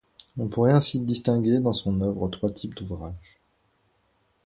On pourrait ainsi distinguer dans son œuvre trois types d'ouvrages.